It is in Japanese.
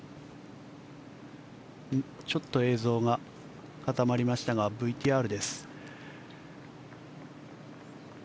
ちょっと映像が固まりましたがＶＴＲです。